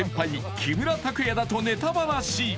木村拓哉だとネタバラシ！